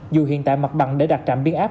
dù hiện tại mặt bằng để đặt trạm biến áp